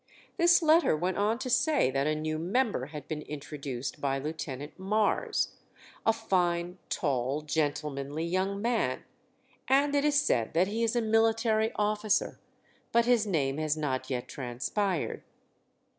This letter went on to say that a new member had been introduced by Lieut. Mars, "a fine, tall, gentlemanly young man, and it is said that he is a military officer, but his name has not yet transpired.